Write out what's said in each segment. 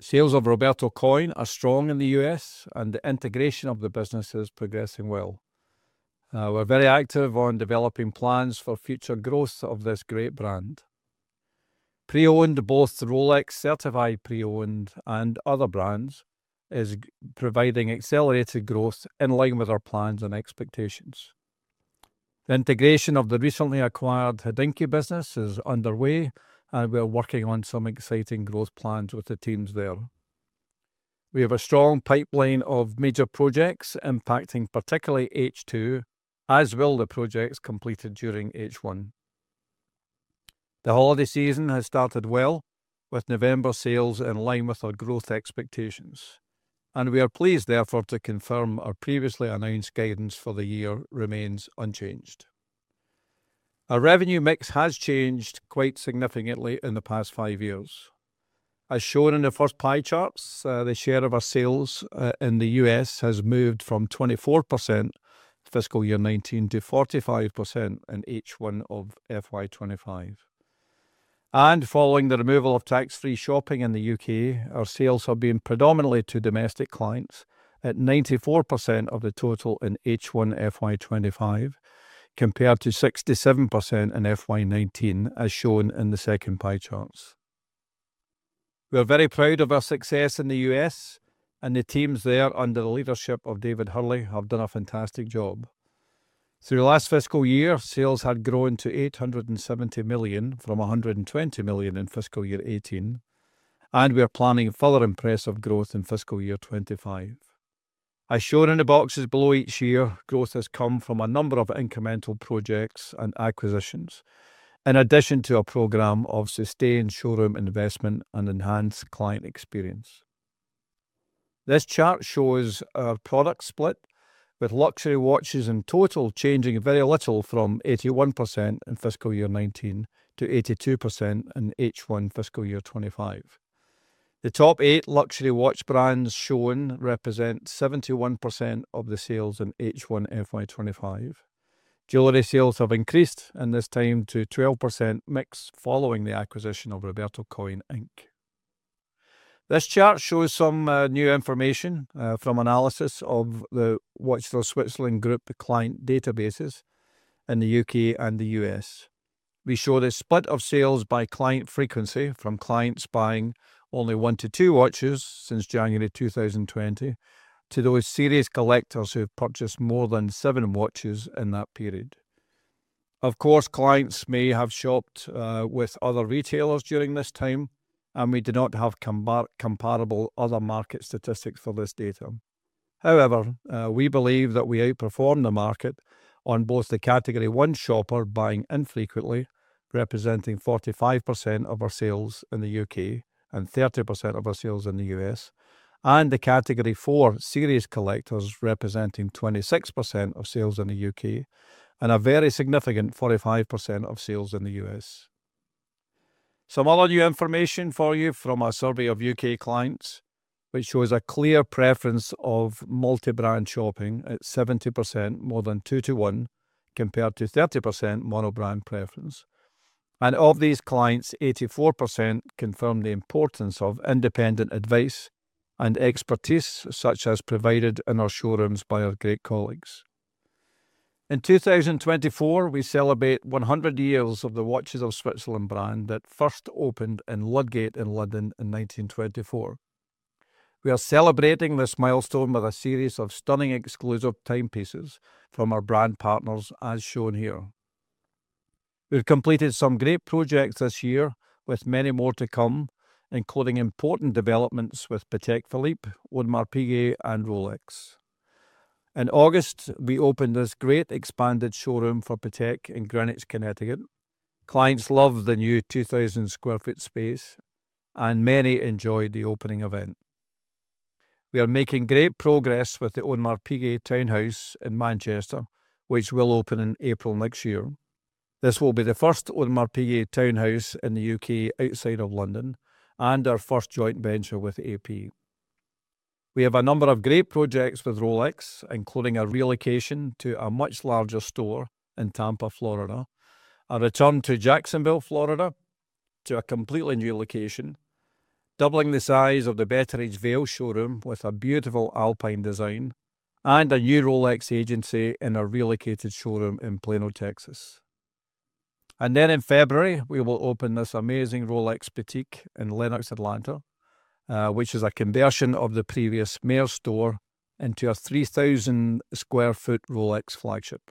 Sales of Roberto Coin are strong in the U.S., and the integration of the business is progressing well. We're very active on developing plans for future growth of this great brand. Pre-owned both Rolex Certified Pre-Owned and other brands is providing accelerated growth in line with our plans and expectations. The integration of the recently acquired Hodinkee business is underway, and we're working on some exciting growth plans with the teams there. We have a strong pipeline of major projects impacting particularly H2, as well as the projects completed during H1. The holiday season has started well, with November sales in line with our growth expectations, and we are pleased, therefore, to confirm our previously announced guidance for the year remains unchanged. Our revenue mix has changed quite significantly in the past five years. As shown in the first pie charts, the share of our sales in the U.S. has moved from 24% fiscal year 2019 to 45% in H1 of FY 2025, and following the removal of tax-free shopping in the U.K., our sales have been predominantly to domestic clients at 94% of the total in H1 FY 2025, compared to 67% in FY 2019, as shown in the second pie charts. We are very proud of our success in the U.S., and the teams there under the leadership of David Hurley have done a fantastic job. Through last fiscal year, sales had grown to 870 million from 120 million in fiscal year 2018, and we are planning further impressive growth in fiscal year 2025. As shown in the boxes below each year, growth has come from a number of incremental projects and acquisitions, in addition to a program of sustained showroom investment and enhanced client experience. This chart shows our product split, with luxury watches in total changing very little from 81% in fiscal year 2019 to 82% in H1 fiscal year 2025. The top eight luxury watch brands shown represent 71% of the sales in H1 FY 2025. Jewelry sales have increased in this time to 12% mix following the acquisition of Roberto Coin Inc. This chart shows some new information from analysis of the Watches of Switzerland Group client databases in the U.K. and the U.S. We show the split of sales by client frequency, from clients buying only one to two watches since January 2020 to those serious collectors who have purchased more than seven watches in that period. Of course, clients may have shopped with other retailers during this time, and we do not have comparable other market statistics for this data. However, we believe that we outperform the market on both the category one shopper buying infrequently, representing 45% of our sales in the U.K. and 30% of our sales in the US, and the category four serious collectors representing 26% of sales in the U.K. and a very significant 45% of sales in the US. Some other new information for you from our survey of U.K. clients, which shows a clear preference of multi-brand shopping at 70%, more than two to one, compared to 30% mono-brand preference. And of these clients, 84% confirm the importance of independent advice and expertise, such as provided in our showrooms by our great colleagues. In 2024, we celebrate 100 years of the Watches of Switzerland brand that first opened in Ludgate in London in 1924. We are celebrating this milestone with a series of stunning exclusive timepieces from our brand partners, as shown here. We've completed some great projects this year, with many more to come, including important developments with Patek Philippe, Audemars Piguet, and Rolex. In August, we opened this great expanded showroom for Patek in Greenwich, Connecticut. Clients love the new 2,000 sq ft space, and many enjoyed the opening event. We are making great progress with the Audemars Piguet Townhouse in Manchester, which will open in April next year. This will be the first Audemars Piguet Townhouse in the U.K. outside of London and our first joint venture with AP. We have a number of great projects with Rolex, including a relocation to a much larger store in Tampa, Florida, a return to Jacksonville, Florida, to a completely new location, doubling the size of the Betteridge Vail showroom with a beautiful Alpine design, and a new Rolex agency in a relocated showroom in Plano, Texas, and then in February, we will open this amazing Rolex boutique in Lenox, Atlanta, which is a conversion of the previous Mayors store into a 3,000 sq ft Rolex flagship.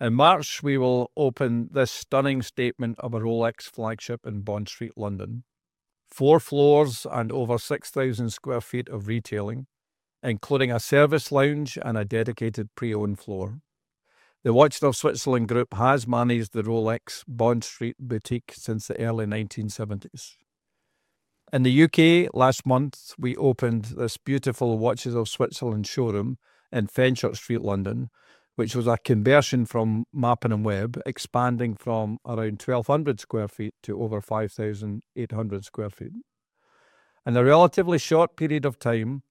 In March, we will open this stunning statement of a Rolex flagship in Bond Street, London, four floors and over 6,000 sq ft of retailing, including a service lounge and a dedicated pre-owned floor. The Watches of Switzerland Group has managed the Rolex Bond Street boutique since the early 1970s. In the U.K., last month, we opened this beautiful Watches of Switzerland showroom in Fenchurch Street, London, which was a conversion from Mappin & Webb, expanding from around 1,200 sq ft to over 5,800 sq ft. In a relatively short period of time,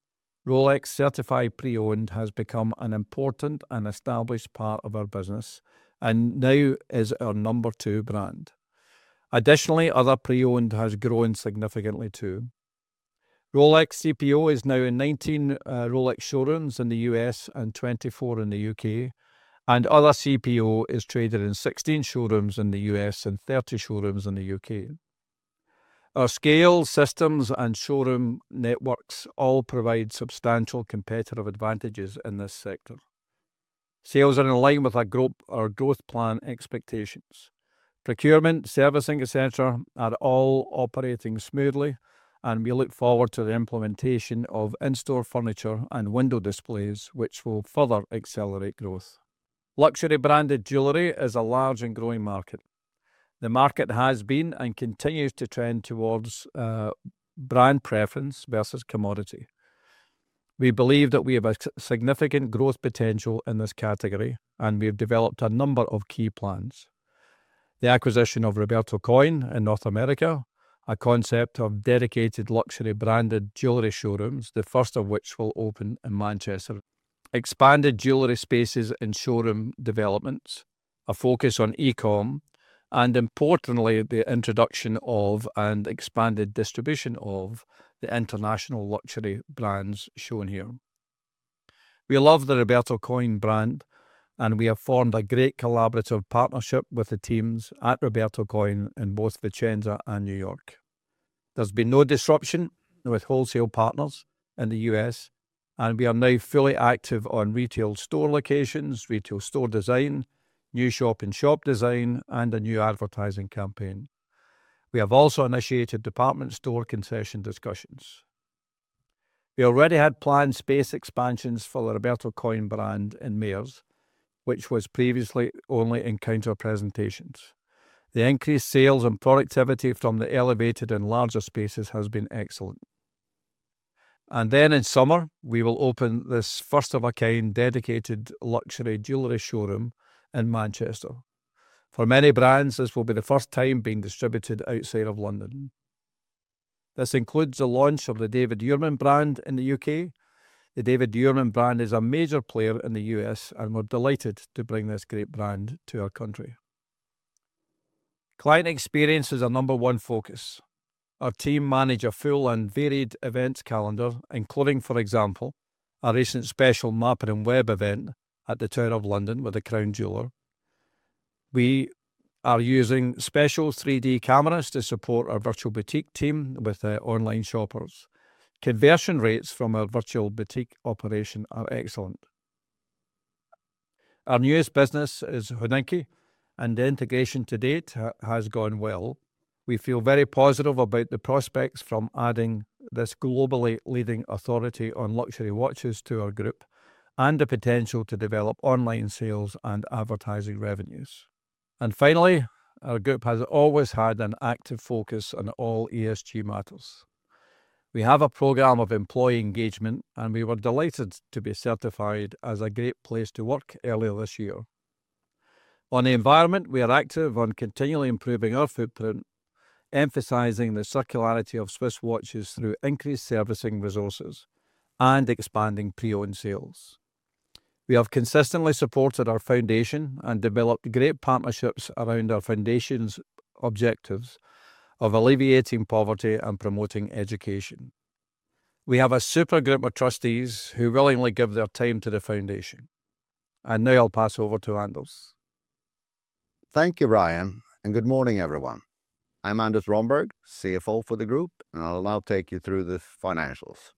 Rolex certified pre-owned has become an important and established part of our business and now is our number two brand. Additionally, other pre-owned has grown significantly too. Rolex CPO is now in 19 Rolex showrooms in the U.S. and 24 in the U.K., and other CPO is traded in 16 showrooms in the U.S. and 30 showrooms in the U.K. Our scale, systems, and showroom networks all provide substantial competitive advantages in this sector. Sales are in line with our growth plan expectations. Procurement, servicing, et cetera, are all operating smoothly, and we look forward to the implementation of in-store furniture and window displays, which will further accelerate growth. Luxury branded jewelry is a large and growing market. The market has been and continues to trend towards brand preference versus commodity. We believe that we have a significant growth potential in this category, and we've developed a number of key plans: the acquisition of Roberto Coin in North America, a concept of dedicated luxury branded jewelry showrooms, the first of which will open in Manchester, expanded jewelry spaces in showroom developments, a focus on e-com, and importantly, the introduction of and expanded distribution of the international luxury brands shown here. We love the Roberto Coin brand, and we have formed a great collaborative partnership with the teams at Roberto Coin in both Vicenza and New York. There's been no disruption with wholesale partners in the U.S., and we are now fully active on retail store locations, retail store design, new shop-in-shop design, and a new advertising campaign. We have also initiated department store concession discussions. We already had planned space expansions for the Roberto Coin brand in Mayors, which was previously only in counter presentations. The increased sales and productivity from the elevated and larger spaces has been excellent. And then in summer, we will open this first-of-its-kind dedicated luxury jewelry showroom in Manchester. For many brands, this will be the first time being distributed outside of London. This includes the launch of the David Yurman brand in the U.K.. The David Yurman brand is a major player in the U.S, and we're delighted to bring this great brand to our country. Client experience is our number one focus. Our team manage a full and varied events calendar, including, for example, a recent special Mappin & Webb event at the Tower of London with the Crown Jeweller. We are using special 3D cameras to support our virtual boutique team with the online shoppers. Conversion rates from our virtual boutique operation are excellent. Our newest business is Hodinkee, and the integration to date has gone well. We feel very positive about the prospects from adding this globally leading authority on luxury watches to our group and the potential to develop online sales and advertising revenues. And finally, our group has always had an active focus on all ESG matters. We have a program of employee engagement, and we were delighted to be certified as a Great Place to Work earlier this year. On the environment, we are active on continually improving our footprint, emphasizing the circularity of Swiss watches through increased servicing resources and expanding pre-owned sales. We have consistently supported our foundation and developed great partnerships around our foundation's objectives of alleviating poverty and promoting education. We have a super group of trustees who willingly give their time to the foundation. And now I'll pass over to Anders. Thank you, Ryan, and good morning, everyone. I'm Anders Romberg, CFO for the group, and I'll now take you through the financials.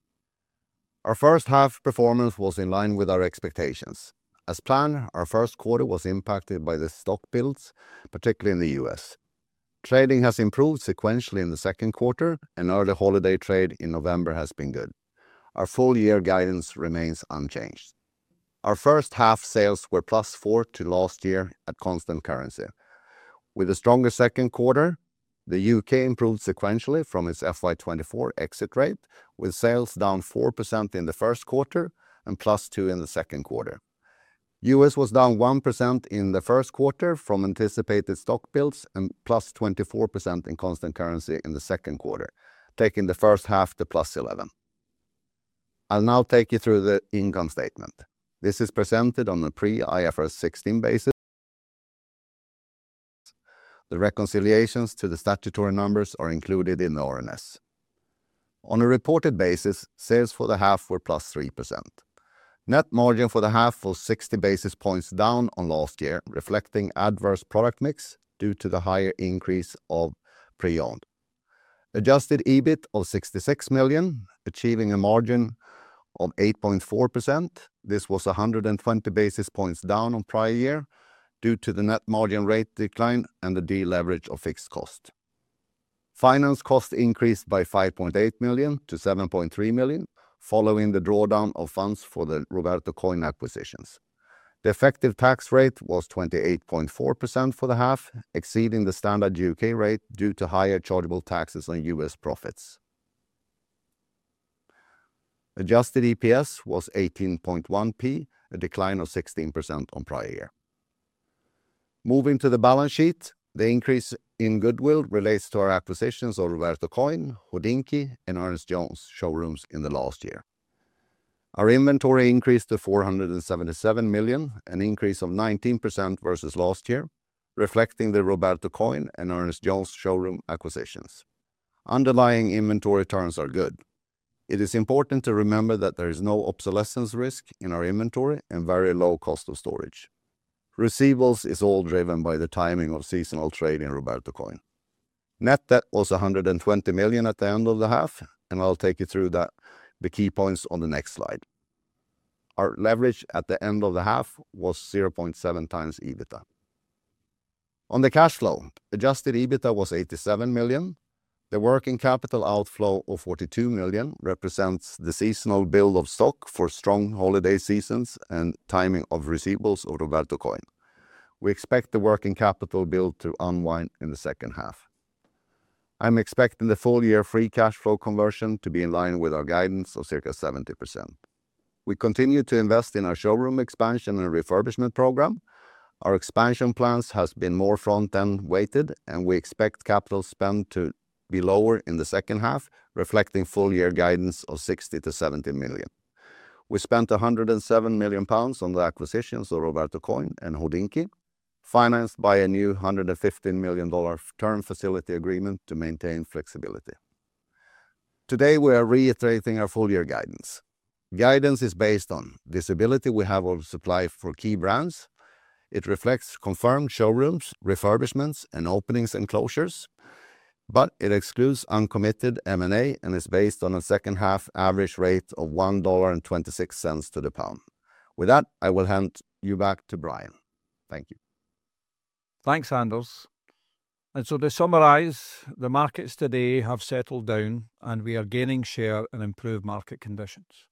Our first half performance was in line with our expectations. As planned, our first quarter was impacted by the stock builds, particularly in the U.S. Trading has improved sequentially in the second quarter, and early holiday trade in November has been good. Our full year guidance remains unchanged. Our first half sales were plus 4% to last year at constant currency. With a stronger second quarter, the U.K. improved sequentially from its FY 2024 exit rate, with sales down 4% in the first quarter and plus 2% in the second quarter. U.S. was down 1% in the first quarter from anticipated stock builds and plus 24% in constant currency in the second quarter, taking the first half to plus 11%. I'll now take you through the income statement. This is presented on a pre-IFRS 16 basis. The reconciliations to the statutory numbers are included in the RNS. On a reported basis, sales for the half were +3%. Net margin for the half was 60 basis points down on last year, reflecting adverse product mix due to the higher increase of pre-owned. Adjusted EBIT of 66 million, achieving a margin of 8.4%. This was 120 basis points down on prior year due to the net margin rate decline and the deleverage of fixed cost. Finance cost increased by 5.8 million to 7.3 million following the drawdown of funds for the Roberto Coin acquisitions. The effective tax rate was 28.4% for the half, exceeding the standard U.K. rate due to higher chargeable taxes on US profits. Adjusted EPS was 18.1p, a decline of 16% on prior year. Moving to the balance sheet, the increase in goodwill relates to our acquisitions of Roberto Coin, Hodinkee, and Ernest Jones showrooms in the last year. Our inventory increased to 477 million, an increase of 19% versus last year, reflecting the Roberto Coin and Ernest Jones showroom acquisitions. Underlying inventory turns are good. It is important to remember that there is no obsolescence risk in our inventory and very low cost of storage. Receivables is all driven by the timing of seasonal trade in Roberto Coin. Net debt was 120 million at the end of the half, and I'll take you through the key points on the next slide. Our leverage at the end of the half was 0.7x EBITDA. On the cash flow, adjusted EBITDA was 87 million. The working capital outflow of 42 million represents the seasonal build of stock for strong holiday seasons and timing of receivables of Roberto Coin. We expect the working capital build to unwind in the second half. I'm expecting the full year free cash flow conversion to be in line with our guidance of circa 70%. We continue to invest in our showroom expansion and refurbishment program. Our expansion plans have been more front-end weighted, and we expect capital spend to be lower in the second half, reflecting full year guidance of 60-70 million. We spent 107 million pounds on the acquisitions of Roberto Coin and Hodinkee, financed by a new $115 million term facility agreement to maintain flexibility. Today, we are reiterating our full year guidance. Guidance is based on visibility we have of supply for key brands. It reflects confirmed showrooms, refurbishments, and openings and closures, but it excludes uncommitted M&A and is based on a second half average rate of $1.26 to the pound. With that, I will hand you back to Brian. Thank you. Thanks, Anders. And so to summarize, the markets today have settled down, and we are gaining share in improved market conditions.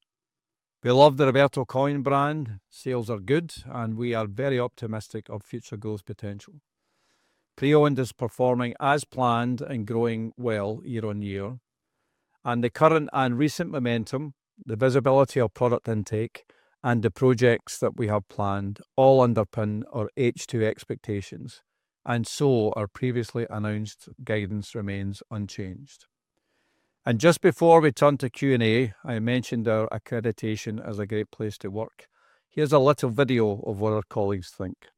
We love the Roberto Coin brand. Sales are good, and we are very optimistic of future growth potential. Pre-owned is performing as planned and growing well year on year. And the current and recent momentum, the visibility of product intake, and the projects that we have planned all underpin our H2 expectations, and so our previously announced guidance remains unchanged. And just before we turn to Q&A, I mentioned our accreditation as a great place to work. Here's a little video of what our colleagues think.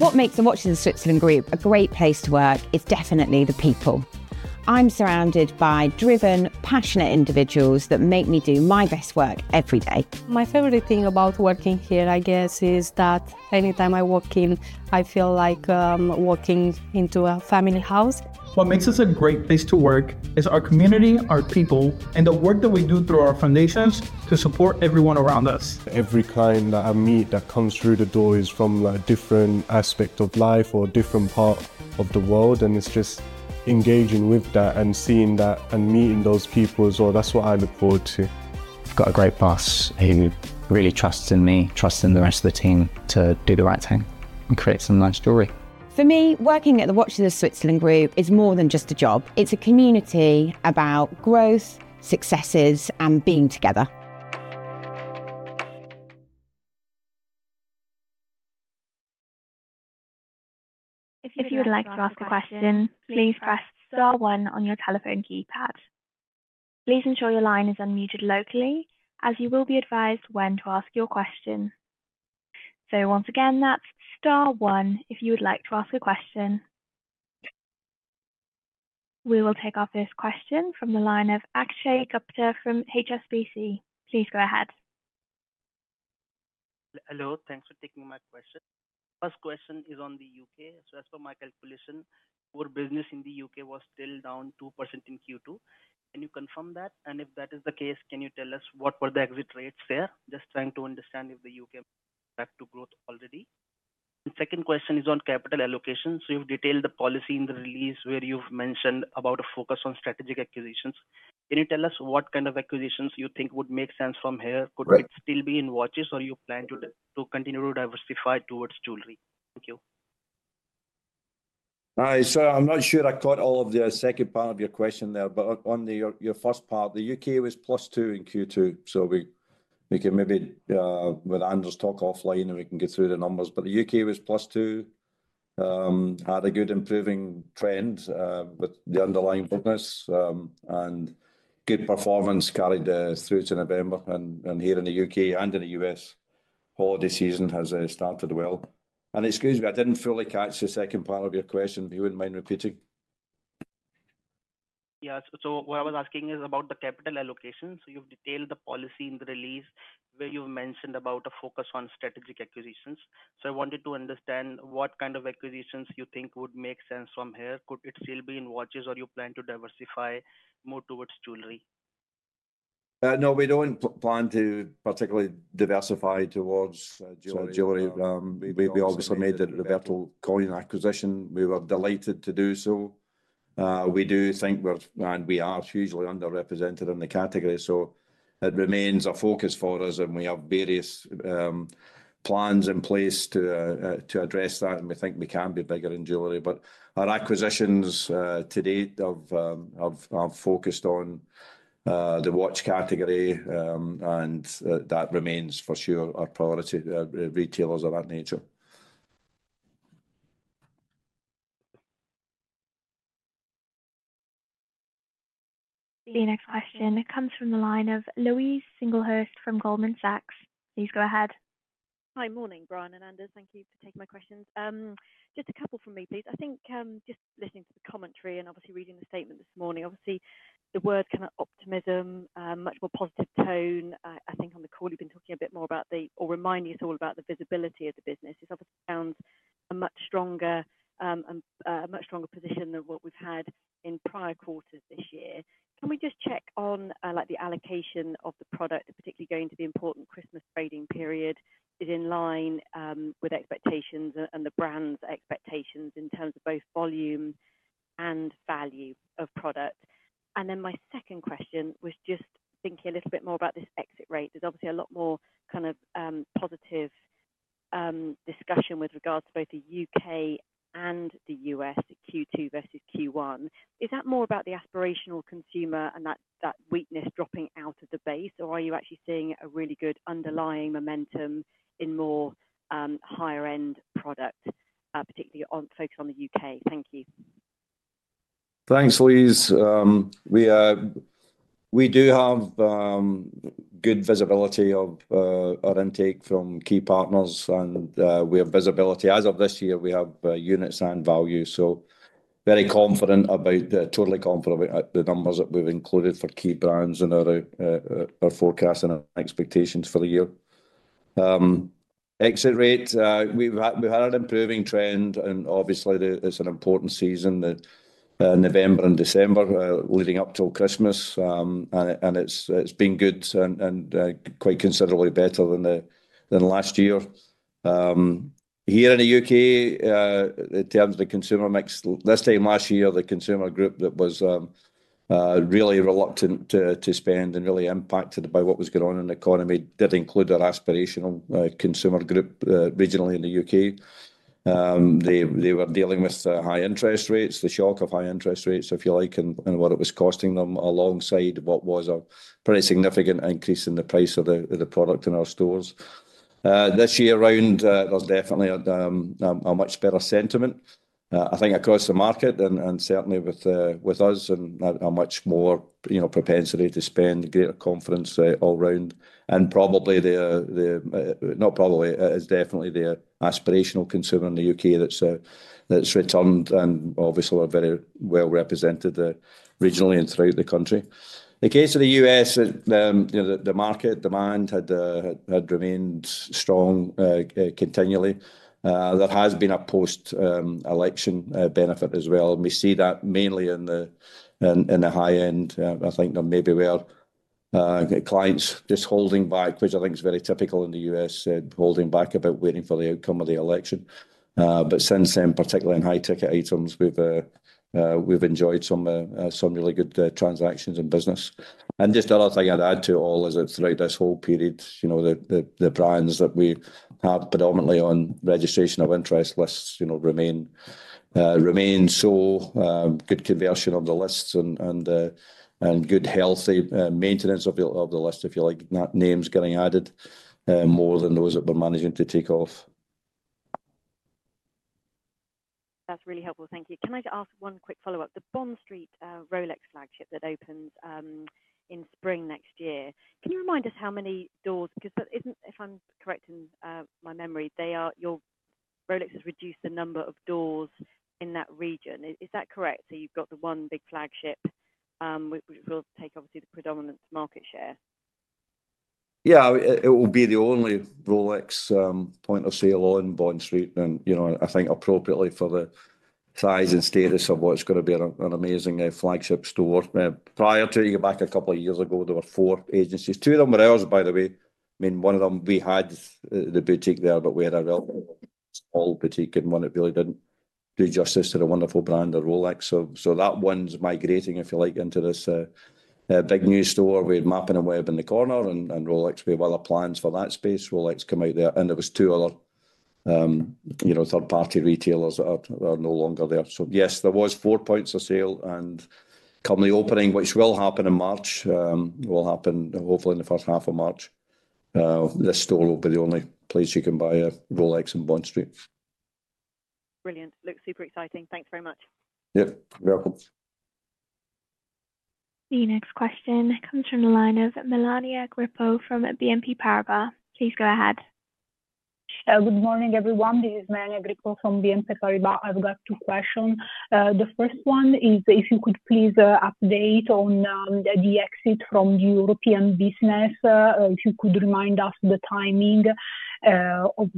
What makes the Watches of Switzerland Group a great place to work is definitely the people. I'm surrounded by driven, passionate individuals that make me do my best work every day. My favorite thing about working here, I guess, is that anytime I walk in, I feel like walking into a family house. What makes us a great place to work is our community, our people, and the work that we do through our foundations to support everyone around us. Every kind of meet that comes through the door is from a different aspect of life or a different part of the world, and it's just engaging with that and seeing that and meeting those people as well. That's what I look forward to. I've got a great boss who really trusts in me, trusts in the rest of the team to do the right thing and create some nice jewelry. For me, working at the Watches of Switzerland Group is more than just a job. It's a community about growth, successes, and being together. If you would like to ask a question, please press star one on your telephone keypad. Please ensure your line is unmuted locally, as you will be advised when to ask your question. So once again, that's star one if you would like to ask a question. We will take up this question from the line of Akshay Gupta from HSBC. Please go ahead. Hello, thanks for taking my question. First question is on the U.K.. So as per my calculation, our business in the U.K. was still down 2% in Q2. Can you confirm that? And if that is the case, can you tell us what were the exit rates there? Just trying to understand if the U.K. is back to growth already. The second question is on capital allocation. So you've detailed the policy in the release where you've mentioned about a focus on strategic acquisitions. Can you tell us what kind of acquisitions you think would make sense from here? Could it still be in watches, or do you plan to continue to diversify towards jewelry? Thank you. Hi. I'm not sure I caught all of the second part of your question there, but on your first part, the U.K. was +2 in Q2. So we can maybe with Anders talk offline and we can get through the numbers. But the U.K. was plus 2, had a good improving trend with the underlying business and good performance carried through to November. And here in the U.K. and in the U.S., holiday season has started well. And excuse me, I didn't fully catch the second part of your question. If you wouldn't mind repeating. Yes, so what I was asking is about the capital allocation. So you've detailed the policy in the release where you've mentioned about a focus on strategic acquisitions. So I wanted to understand what kind of acquisitions you think would make sense from here. Could it still be in watches, or do you plan to diversify more towards jewelry? No, we don't plan to particularly diversify toward jewelry. We obviously made the Roberto Coin acquisition. We were delighted to do so. We do think we're, and we are hugely underrepresented in the category. So it remains a focus for us, and we have various plans in place to address that, and we think we can be bigger in jewelry. But our acquisitions to date have focused on the watch category, and that remains for sure our priority, retailers of that nature. The next question comes from the line of Louise Singlehurst from Goldman Sachs. Please go ahead. Hi, morning, Brian and Anders. Thank you for taking my questions. Just a couple from me, please. I think just listening to the commentary and obviously reading the statement this morning, obviously the word kind of optimism, much more positive tone. I think on the call, you've been talking a bit more about the, or reminding us all about the visibility of the business. It's obviously found a much stronger position than what we've had in prior quarters this year. Can we just check on the allocation of the product, particularly going to the important Christmas trading period, is in line with expectations and the brand's expectations in terms of both volume and value of product? And then my second question was just thinking a little bit more about this exit rate. There's obviously a lot more kind of positive discussion with regards to both the U.K. and the U.S., Q2 versus Q1. Is that more about the aspirational consumer and that weakness dropping out of the base, or are you actually seeing a really good underlying momentum in more higher-end product, particularly focused on the U.K.? Thank you. Thanks, Louise. We do have good visibility of our intake from key partners, and we have visibility. As of this year, we have units and value. So very confident about, totally confident about the numbers that we've included for key brands and our forecasts and expectations for the year. Exit rate, we've had an improving trend, and obviously it's an important season, November and December leading up till Christmas, and it's been good and quite considerably better than last year. Here in the U.K., in terms of the consumer mix, this time last year, the consumer group that was really reluctant to spend and really impacted by what was going on in the economy did include our aspirational consumer group regionally in the U.K. They were dealing with high interest rates, the shock of high interest rates, if you like, and what it was costing them alongside what was a pretty significant increase in the price of the product in our stores. This year round, there's definitely a much better sentiment, I think, across the market and certainly with us and a much more propensity to spend, greater confidence all round. And probably the, not probably, it's definitely the aspirational consumer in the U.K. that's returned and obviously very well represented regionally and throughout the country. In the case of the U.S., the market demand had remained strong continually. There has been a post-election benefit as well. We see that mainly in the high end. I think there may be where clients just holding back, which I think is very typical in the U.S., holding back about waiting for the outcome of the election. But since then, particularly in high-ticket items, we've enjoyed some really good transactions and business. And just another thing I'd add to all is that throughout this whole period, the brands that we have predominantly on registration of interest lists remain so good conversion of the lists and good healthy maintenance of the list, if you like, not names getting added more than those that we're managing to take off. That's really helpful. Thank you. Can I just ask one quick follow-up? The Bond Street Rolex flagship that opens in spring next year, can you remind us how many doors? Because if I'm correcting my memory, your Rolex has reduced the number of doors in that region. Is that correct? So you've got the one big flagship which will take obviously the predominant market share. Yeah, it will be the only Rolex point of sale on Bond Street, and I think appropriately for the size and status of what's going to be an amazing flagship store. If you go back a couple of years ago, there were four agencies, two of them were ours, by the way. I mean, one of them we had the boutique there, but we had a real small boutique and one that really didn't do justice to the wonderful brand of Rolex. So that one's migrating, if you like, into this big new store with Mappin & Webb in the corner and Rolex. We have other plans for that space. Rolex came out there, and there were two other third-party retailers that are no longer there. Yes, there was four points of sale, and come the opening, which will happen in March, hopefully in the first half of March. This store will be the only place you can buy a Rolex on Bond Street. Brilliant. Looks super exciting. Thanks very much. Yep, welcome. The next question comes from the line of Melania Grippo from BNP Paribas. Please go ahead. Good morning, everyone. This is Melania Grippo from BNP Paribas. I've got two questions. The first one is if you could please update on the exit from the European business, if you could remind us the timing of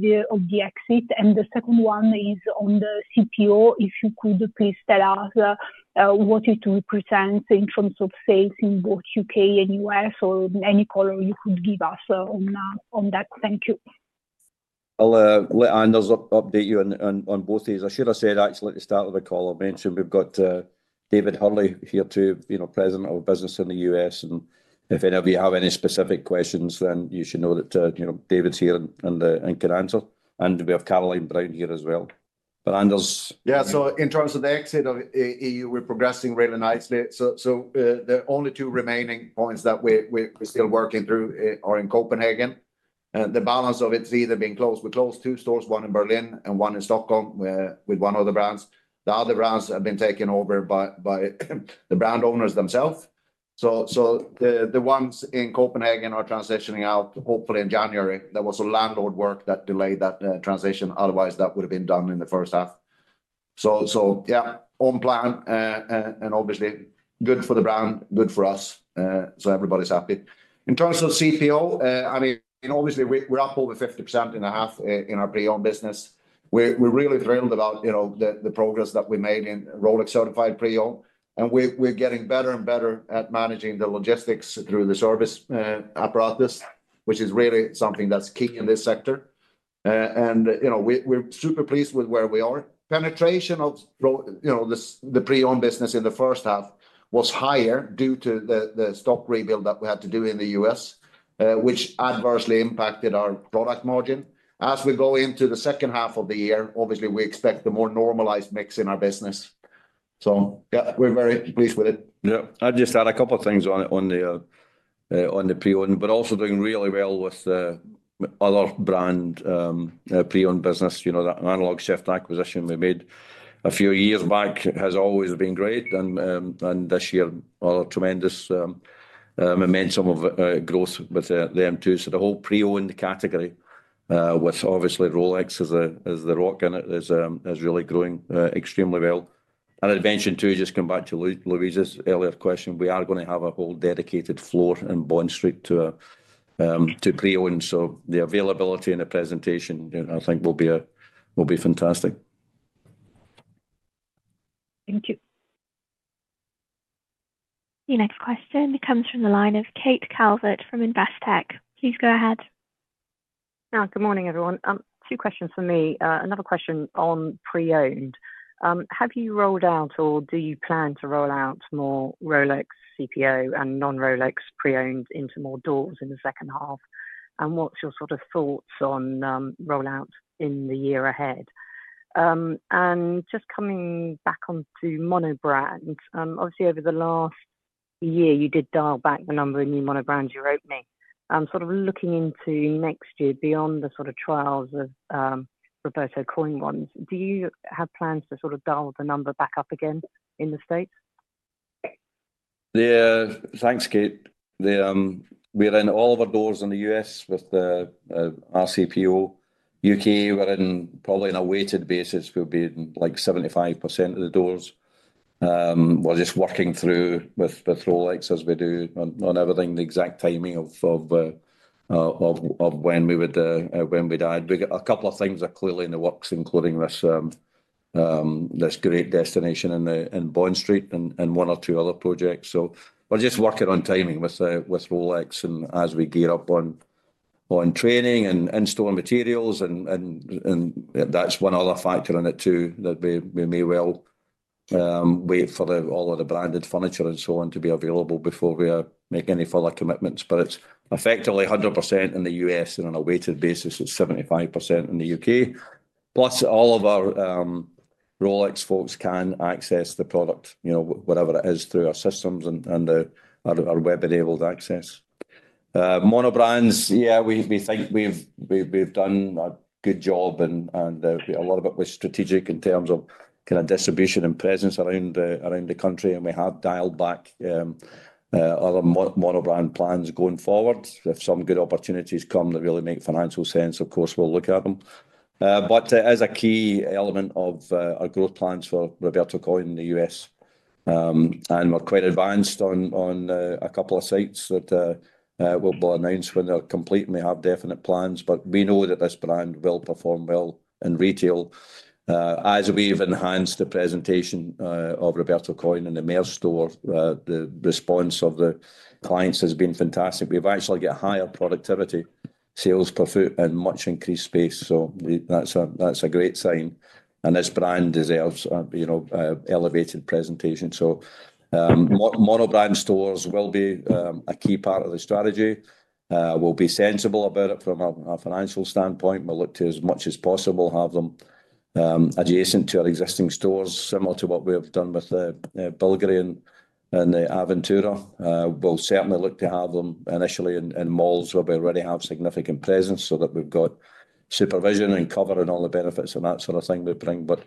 the exit. And the second one is on the CPO, if you could please tell us what it represents in terms of sales in both U.K. and U.S. or any color you could give us on that. Thank you. I'll let Anders update you on both these. I should have said actually at the start of the call, I mentioned we've got David Hurley here too, President of Business in the U.S., and if any of you have any specific questions, then you should know that David's here and can answer, and we have Caroline Brown here as well, but Anders. In terms of the exit from the EU, we're progressing really nicely. So the only two remaining points that we're still working through are in Copenhagen. The balance of it's either being closed. We closed two stores, one in Berlin and one in Stockholm with one of the brands. The other brands have been taken over by the brand owners themselves. So the ones in Copenhagen are transitioning out hopefully in January. There was a landlord work that delayed that transition. Otherwise, that would have been done in the first half. So yeah, on plan and obviously good for the brand, good for us. So everybody's happy. In terms of CPO, I mean, obviously we're up over 50% in the half in our pre-owned business. We're really thrilled about the progress that we made in Rolex Certified Pre-Owned. We're getting better and better at managing the logistics through the service apparatus, which is really something that's key in this sector. We're super pleased with where we are. Penetration of the pre-owned business in the first half was higher due to the stock rebuild that we had to do in the U.S., which adversely impacted our product margin. As we go into the second half of the year, obviously we expect a more normalized mix in our business. Yeah, we're very pleased with it. Yeah, I'd just add a couple of things on the pre-owned, but also doing really well with other brand pre-owned business. That Analog:Shift acquisition we made a few years back has always been great. This year, a tremendous momentum of growth with them too. The whole pre-owned category with obviously Rolex as the rock in it is really growing extremely well. I'd mentioned too, just come back to Louise's earlier question. We are going to have a whole dedicated floor in Bond Street to pre-owned. The availability and the presentation, I think will be fantastic. Thank you. The next question comes from the line of Kate Calvert from Investec. Please go ahead. Good morning, everyone. Two questions for me. Another question on pre-owned. Have you rolled out or do you plan to roll out more Rolex CPO and non-Rolex pre-owned into more doors in the second half? And what's your sort of thoughts on rollout in the year ahead? And just coming back onto monobrand, obviously over the last year, you did dial back the number of new monobrands you opened. Sort of looking into next year beyond the sort of trials of Roberto Coin ones, do you have plans to sort of dial the number back up again in the States? Yeah, thanks, Kate. We're in all of our doors in the U.S. with our CPO. U.K., we're in probably on a weighted basis. We'll be in like 75% of the doors. We're just working through with Rolex as we do on everything, the exact timing of when we would add. A couple of things are clearly in the works, including this great destination in Bond Street and one or two other projects. So we're just working on timing with Rolex and as we gear up on training and in-store materials. And that's one other factor in it too, that we may well wait for all of the branded furniture and so on to be available before we make any further commitments. But it's effectively 100% in the U.S. and on a weighted basis at 75% in the U.K. Plus all of our Rolex folks can access the product, whatever it is, through our systems and our web-enabled access. Monobrands, yeah, we think we've done a good job and a lot of it was strategic in terms of kind of distribution and presence around the country, and we have dialed back other monobrand plans going forward. If some good opportunities come that really make financial sense, of course, we'll look at them, but it is a key element of our growth plans for Roberto Coin in the U.S., and we're quite advanced on a couple of sites that we'll announce when they're complete and we have definite plans, but we know that this brand will perform well in retail. As we've enhanced the presentation of Roberto Coin in the Mayors store, the response of the clients has been fantastic. We've actually got higher productivity, sales per foot, and much increased space. So that's a great sign, and this brand deserves elevated presentation, so mono-brand stores will be a key part of the strategy. We'll be sensible about it from a financial standpoint. We'll look to, as much as possible, have them adjacent to our existing stores, similar to what we've done with the Bulgari and the Aventura. We'll certainly look to have them initially in malls where we already have significant presence so that we've got supervision and cover and all the benefits and that sort of thing we bring, but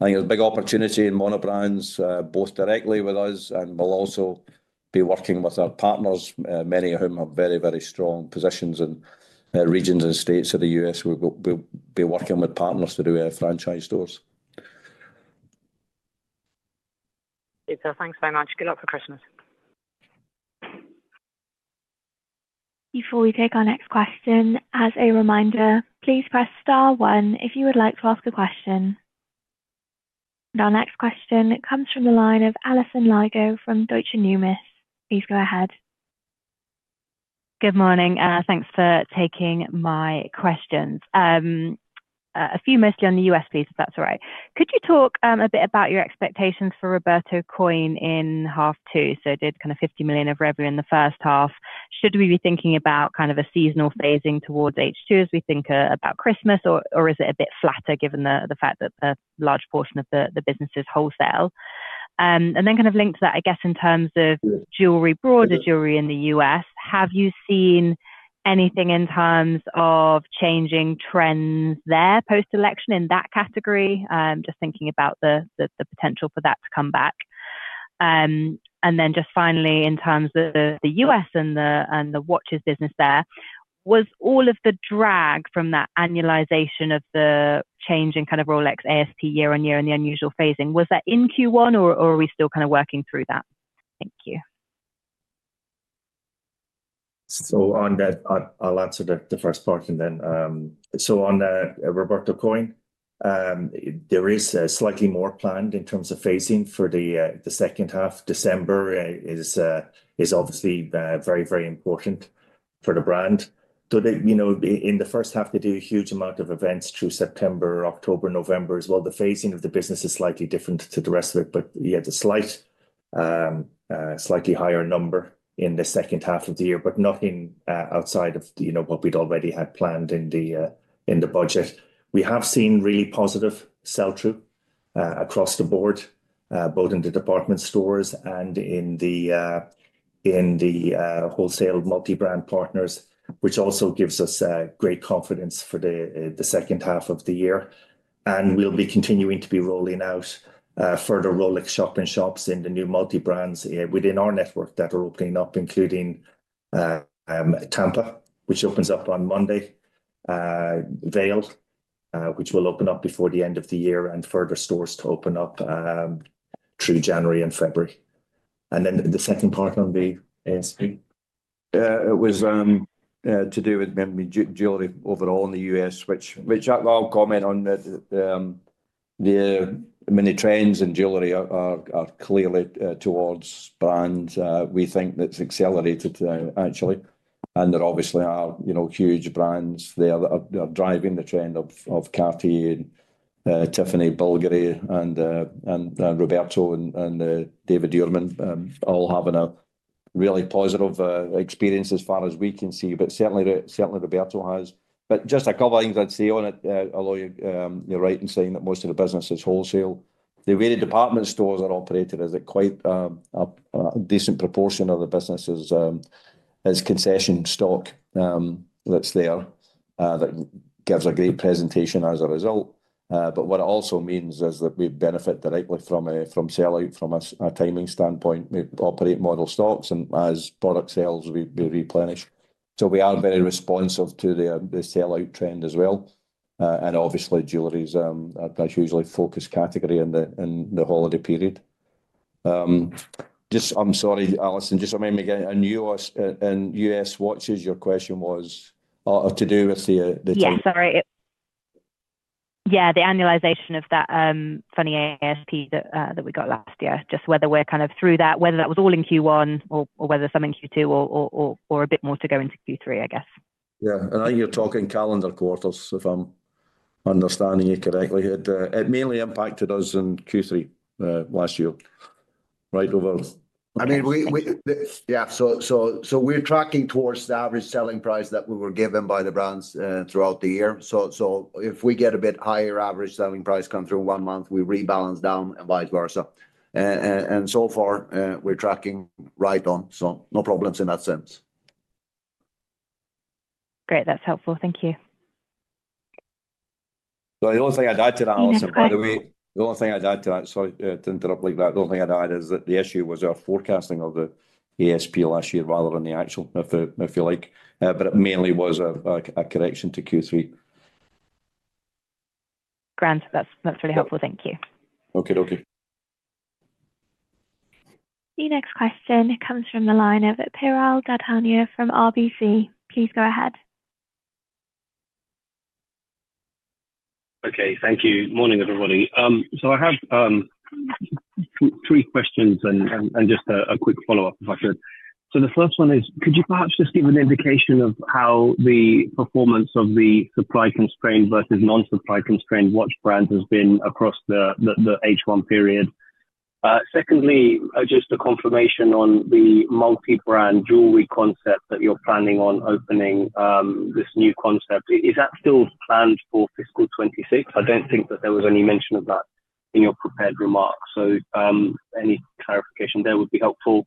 I think there's a big opportunity in mono-brands, both directly with us and we'll also be working with our partners, many of whom have very, very strong positions in regions and states of the U.S. We'll be working with partners to do our franchise stores. Thanks very much. Good luck for Christmas. Before we take our next question, as a reminder, please press star one if you would like to ask a question. And our next question comes from the line of Alison Lygo from Deutsche Numis. Please go ahead. Good morning. Thanks for taking my questions. A few mostly on the US piece, if that's all right. Could you talk a bit about your expectations for Roberto Coin in half two? So did kind of $50 million of revenue in the first half. Should we be thinking about kind of a seasonal phasing towards H2 as we think about Christmas, or is it a bit flatter given the fact that a large portion of the business is wholesale? And then kind of linked to that, I guess, in terms of jewelry, broader jewelry in the US, have you seen anything in terms of changing trends there post-election in that category? Just thinking about the potential for that to come back. And then just finally, in terms of the U.S. and the watches business there, was all of the drag from that annualization of the change in kind of Rolex ASP year on year and the unusual phasing, was that in Q1 or are we still kind of working through that? Thank you. I'll answer the first part and then. On Roberto Coin, there is slightly more planned in terms of phasing for the second half. December is obviously very, very important for the brand. In the first half, they do a huge amount of events through September, October, November as well. The phasing of the business is slightly different to the rest of it, but yet a slightly higher number in the second half of the year, but nothing outside of what we'd already had planned in the budget. We have seen really positive sell-through across the board, both in the department stores and in the wholesale multi-brand partners, which also gives us great confidence for the second half of the year. We'll be continuing to be rolling out further Rolex shop-in-shops in the new multi-brands within our network that are opening up, including Tampa, which opens up on Monday, Vail, which will open up before the end of the year, and further stores to open up through January and February. Then the second part on the ASP. It was to do with jewelry overall in the U.S., which I'll comment on that. The many trends in jewelry are clearly towards brands. We think that's accelerated actually. And there obviously are huge brands there that are driving the trend of Cartier, Tiffany, Bulgari, and Roberto and David Yurman all having a really positive experience as far as we can see. But certainly Roberto has. But just a couple of things I'd say on it, although you're right in saying that most of the business is wholesale. The way the department stores are operated is that quite a decent proportion of the business is concession stock that's there that gives a great presentation as a result. But what it also means is that we benefit directly from sell-out from a timing standpoint. We operate model stocks, and as product sales, we replenish. So we are very responsive to the sell-out trend as well. And obviously, jewelry is that's usually a focus category in the holiday period. Just, I'm sorry, Alison, just remind me again, in US watches, your question was to do with the. Yeah, sorry. Yeah, the annualization of that funny ASP that we got last year, just whether we're kind of through that, whether that was all in Q1 or whether some in Q2 or a bit more to go into Q3, I guess. Yeah, and I think you're talking calendar quarters, if I'm understanding you correctly. It mainly impacted us in Q3 last year, right over. I mean, yeah, so we're tracking towards the average selling price that we were given by the brands throughout the year. So if we get a bit higher average selling price come through one month, we rebalance down and vice versa. And so far, we're tracking right on. So no problems in that sense. Great. That's helpful. Thank you. So the only thing I'd add to that, Alison, by the way, sorry to interrupt like that, is that the issue was our forecasting of the ASP last year rather than the actual, if you like. But it mainly was a correction to Q3. Grand. That's really helpful. Thank you. Okie dokie. The next question comes from the line of Piral Dadhania from RBC. Please go ahead. Okay, thank you. Morning, everybody. So I have three questions and just a quick follow-up, if I could. So the first one is, could you perhaps just give an indication of how the performance of the supply-constrained versus non-supply-constrained watch brands has been across the H1 period? Secondly, just a confirmation on the multi-brand jewelry concept that you're planning on opening this new concept. Is that still planned for fiscal 2026? I don't think that there was any mention of that in your prepared remarks. So any clarification there would be helpful.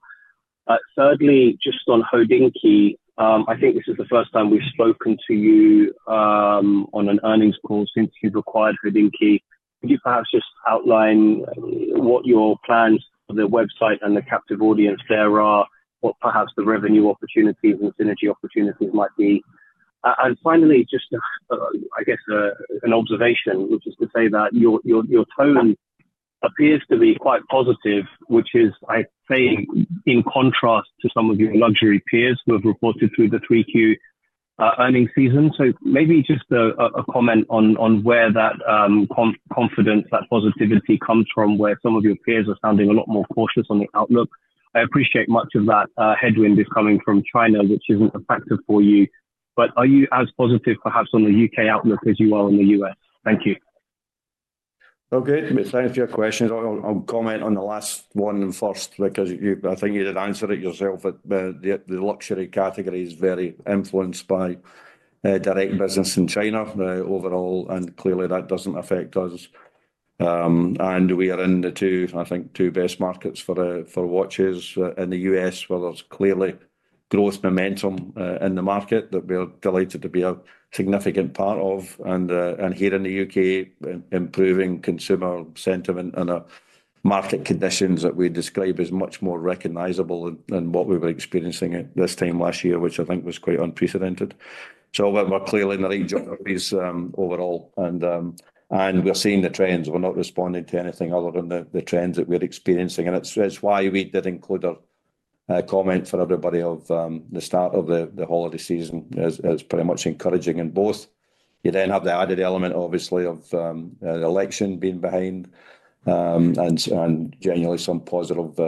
Thirdly, just on Hodinkee, I think this is the first time we've spoken to you on an earnings call since you've acquired Hodinkee. Could you perhaps just outline what your plans for the website and the captive audience there are, what perhaps the revenue opportunities and synergy opportunities might be? Finally, just I guess an observation, which is to say that your tone appears to be quite positive, which is, I think, in contrast to some of your luxury peers who have reported through the Q3 earnings season. Maybe just a comment on where that confidence, that positivity comes from, where some of your peers are sounding a lot more cautious on the outlook. I appreciate that much of that headwind is coming from China, which isn't a factor for you. Are you as positive, perhaps, on the U.K. outlook as you are in the U.S? Thank you. Okay. Thanks for your questions. I'll comment on the last one first because I think you did answer it yourself. The luxury category is very influenced by direct business in China overall, and clearly that doesn't affect us. And we are in the two, I think, two best markets for watches in the US, where there's clearly growth momentum in the market that we're delighted to be a significant part of. And here in the U.K., improving consumer sentiment and market conditions that we describe as much more recognizable than what we were experiencing at this time last year, which I think was quite unprecedented. So we're clearly in the range of these overall. And we're seeing the trends. We're not responding to anything other than the trends that we're experiencing. And it's why we did include our comment for everybody of the start of the holiday season as pretty much encouraging in both. You then have the added element, obviously, of the election being behind and generally some positive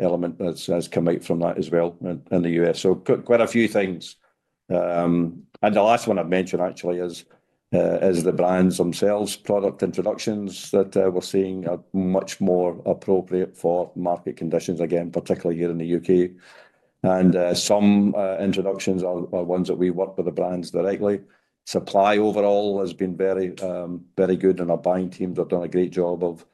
element that has come out from that as well in the U.S. So quite a few things. And the last one I've mentioned actually is the brands themselves, product introductions that we're seeing are much more appropriate for market conditions, again, particularly here in the U.K. And some introductions are ones that we work with the brands directly. Supply overall has been very good, and our buying teams have done a great job of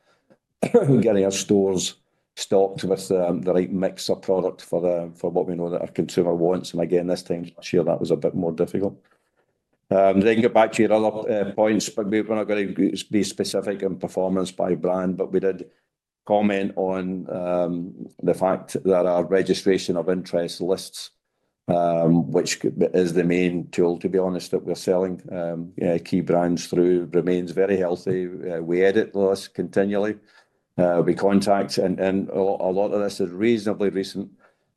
getting our stores stocked with the right mix of product for what we know that our consumer wants. And again, this time of year, that was a bit more difficult. Then get back to your other points. But we're not going to be specific in performance by brand, but we did comment on the fact that our registration of interest lists, which is the main tool, to be honest, that we're selling key brands through, remains very healthy. We edit the list continually. We contact, and a lot of this is reasonably recent.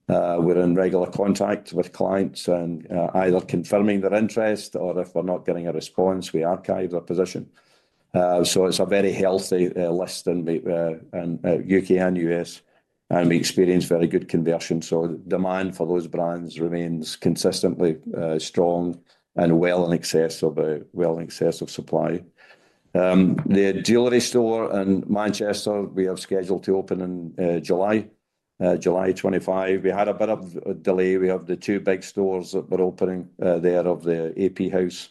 We're in regular contact with clients and either confirming their interest, or if we're not getting a response, we archive their position. So it's a very healthy list in the U.K. and U.S., and we experience very good conversion. So demand for those brands remains consistently strong and well in excess of supply. The jewelry store in Manchester, we have scheduled to open in July, July 25. We had a bit of a delay. We have the two big stores that were opening there of the AP House,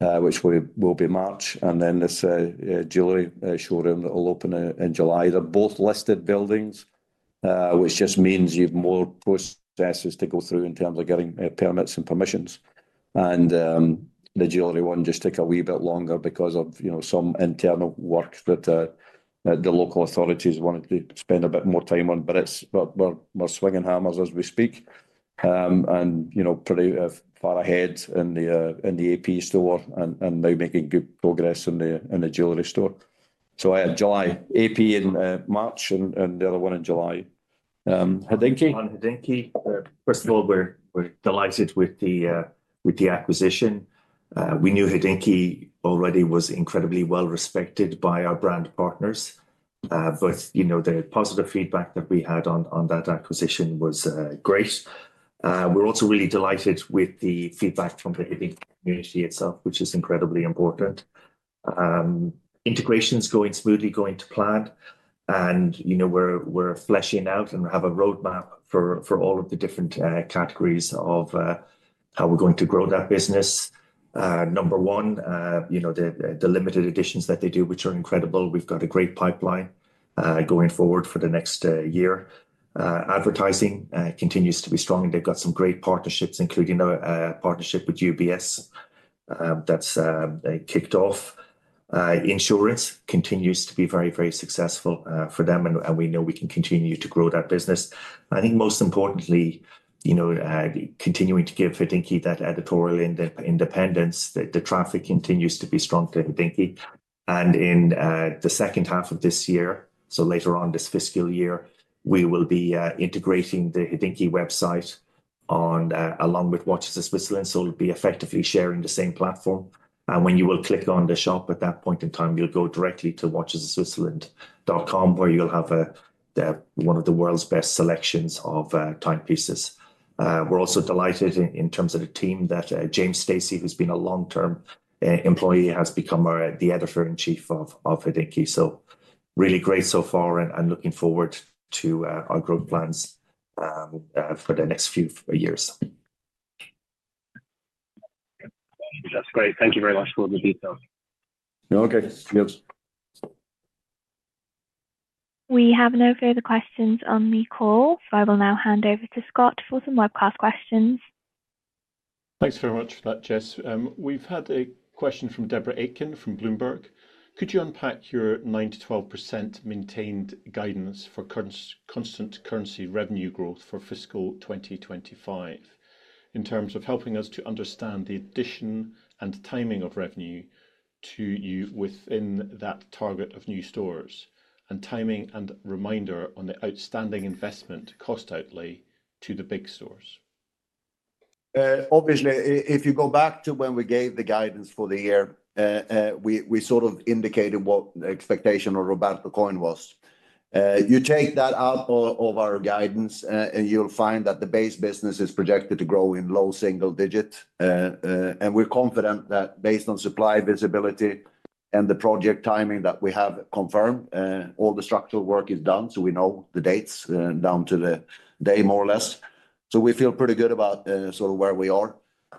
which will be March, and then this jewelry showroom that will open in July. They're both listed buildings, which just means you have more processes to go through in terms of getting permits and permissions. And the jewelry one just took a wee bit longer because of some internal work that the local authorities wanted to spend a bit more time on. But we're swinging hammers as we speak and pretty far ahead in the AP store and now making good progress in the jewelry store. So I had July AP in March and the other one in July. Hodinkee? On Hodinkee, first of all, we're delighted with the acquisition. We knew Hodinkee already was incredibly well respected by our brand partners, but the positive feedback that we had on that acquisition was great. We're also really delighted with the feedback from the Hodinkee community itself, which is incredibly important. Integration's going smoothly, going to plan, and we're fleshing out and have a roadmap for all of the different categories of how we're going to grow that business. Number one, the limited editions that they do, which are incredible. We've got a great pipeline going forward for the next year. Advertising continues to be strong, and they've got some great partnerships, including a partnership with UBS that's kicked off. Insurance continues to be very, very successful for them, and we know we can continue to grow that business. I think most importantly, continuing to give Hodinkee that editorial independence. The traffic continues to be strong for Hodinkee, and in the second half of this year, so later on this fiscal year, we will be integrating the Hodinkee website along with Watches of Switzerland. It'll be effectively sharing the same platform, and when you will click on the shop at that point in time, you'll go directly to watchesofswitzerland.com, where you'll have one of the world's best selections of timepieces. We're also delighted in terms of the team that James Stacey, who's been a long-term employee, has become the editor-in-chief of Hodinkee, so really great so far and looking forward to our growth plans for the next few years. That's great. Thank you very much for all the details. Okay. Thanks. We have no further questions on the call, so I will now hand over to Scott for some webcast questions. Thanks very much for that, Jess. We've had a question from Deborah Aitken from Bloomberg. Could you unpack your 9%-12% maintained guidance for constant currency revenue growth for fiscal 2025 in terms of helping us to understand the addition and timing of revenue to you within that target of new stores and timing and reminder on the outstanding investment cost outlay to the big stores? Obviously, if you go back to when we gave the guidance for the year, we sort of indicated what the expectation on Roberto Coin was. You take that out of our guidance, and you'll find that the base business is projected to grow in low single digits, and we're confident that based on supply visibility and the project timing that we have confirmed, all the structural work is done, so we know the dates down to the day, more or less, so we feel pretty good about sort of where we are.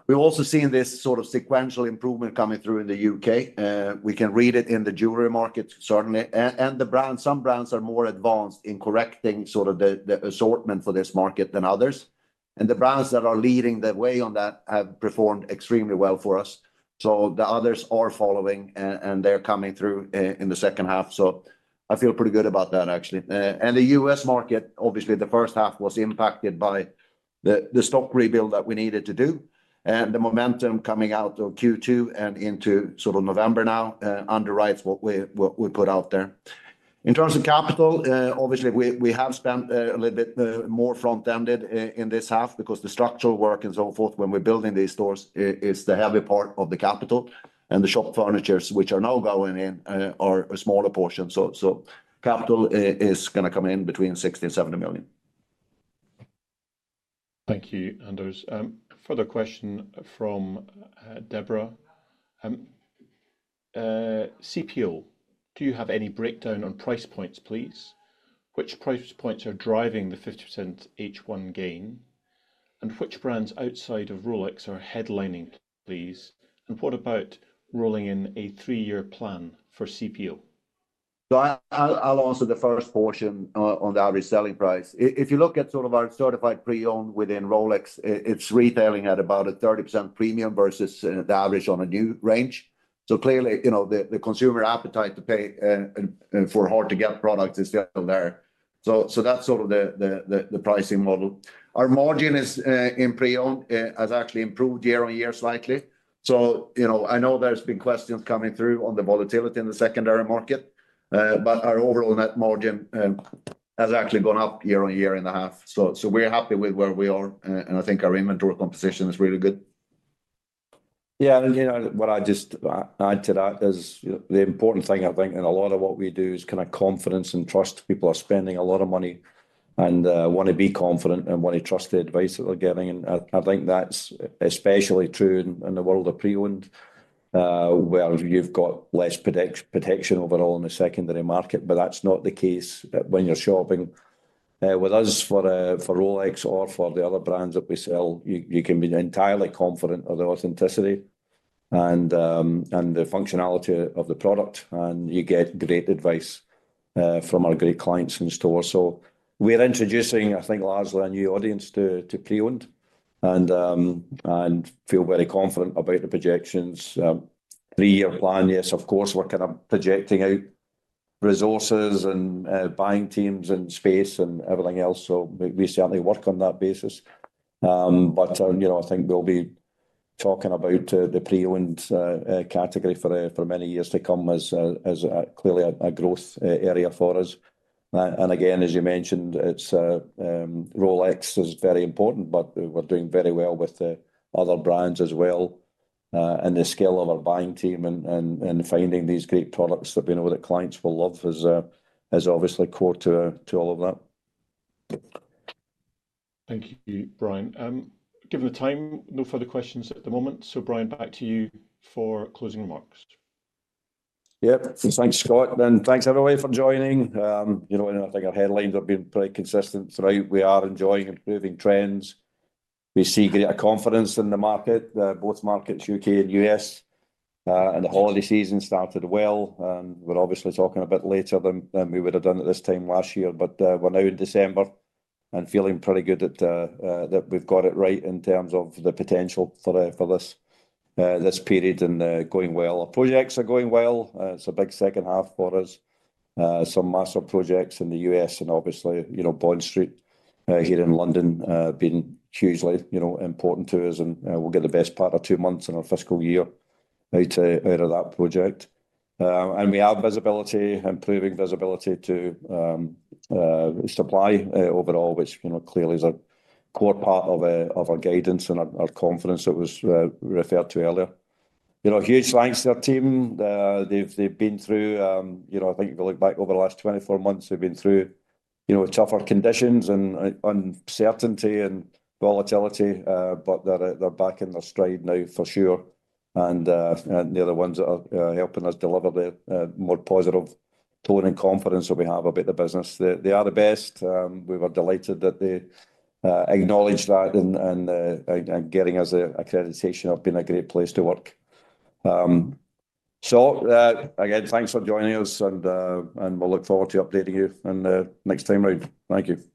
We've also seen this sort of sequential improvement coming through in the U.K.. We can read it in the jewelry market, certainly, and some brands are more advanced in correcting sort of the assortment for this market than others, and the brands that are leading the way on that have performed extremely well for us. So the others are following, and they're coming through in the second half. So I feel pretty good about that, actually. And the U.S. market, obviously, the first half was impacted by the stock rebuild that we needed to do. And the momentum coming out of Q2 and into sort of November now underwrites what we put out there. In terms of capital, obviously, we have spent a little bit more front-ended in this half because the structural work and so forth when we're building these stores is the heavy part of the capital. And the shop furnitures, which are now going in, are a smaller portion. So capital is going to come in between £60 million and £70 million. Thank you, Anders. Further question from Deborah. CPO, do you have any breakdown on price points, please? Which price points are driving the 50% H1 gain? And which brands outside of Rolex are headlining, please? And what about rolling in a three-year plan for CPO? I'll answer the first portion on the average selling price. If you look at sort of our Certified Pre-Owned within Rolex, it's retailing at about a 30% premium versus the average on a new range. Clearly, the consumer appetite to pay for hard-to-get products is still there. That's sort of the pricing model. Our margin in Pre-Owned has actually improved year on year slightly. I know there's been questions coming through on the volatility in the secondary market, but our overall net margin has actually gone up year on year in the half. We're happy with where we are, and I think our inventory composition is really good. Yeah. And what I just add to that is the important thing, I think, and a lot of what we do is kind of confidence and trust. People are spending a lot of money and want to be confident and want to trust the advice that they're giving. And I think that's especially true in the world of pre-owned, where you've got less protection overall in the secondary market. But that's not the case when you're shopping with us for Rolex or for the other brands that we sell. You can be entirely confident of the authenticity and the functionality of the product, and you get great advice from our great clients in stores. So we're introducing, I think, largely a new audience to pre-owned and feel very confident about the projections. Three-year plan, yes, of course, we're kind of projecting out resources and buying teams and space and everything else. So we certainly work on that basis. But I think we'll be talking about the pre-owned category for many years to come as clearly a growth area for us. And again, as you mentioned, Rolex is very important, but we're doing very well with other brands as well. And the skill of our buying team and finding these great products that we know that clients will love is obviously core to all of that. Thank you, Brian. Given the time, no further questions at the moment. So Brian, back to you for closing remarks. Yeah. Thanks, Scott. And thanks, everyone, for joining. I think our headlines have been pretty consistent throughout. We are enjoying improving trends. We see greater confidence in the market, both markets, U.K. and U.S. And the holiday season started well, and we're obviously talking a bit later than we would have done at this time last year. But we're now in December and feeling pretty good that we've got it right in terms of the potential for this period and going well. Our projects are going well. It's a big second half for us. Some massive projects in the US and obviously Bond Street here in London have been hugely important to us, and we'll get the best part of two months in our fiscal year out of that project. And we have visibility, improving visibility to supply overall, which clearly is a core part of our guidance and our confidence that was referred to earlier. Huge thanks to our team. They've been through, I think if you look back over the last 24 months, they've been through tougher conditions and uncertainty and volatility, but they're back in their stride now for sure. And they're the ones that are helping us deliver the more positive tone and confidence that we have about the business. They are the best. We were delighted that they acknowledged that and getting us accreditation of being a great place to work. So again, thanks for joining us, and we'll look forward to updating you in the next time round. Thank you.